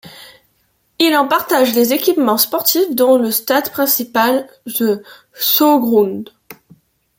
Il en partage les équipements sportifs, dont le stade principal The Showgrounds.